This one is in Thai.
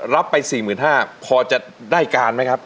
รับไป๔๕๐๐บาทพอจะได้การไหมครับ